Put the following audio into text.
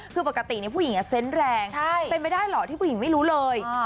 คือปกติผู้หญิงเซนต์แรงเป็นไปได้เหรอที่ผู้หญิงไม่รู้เลย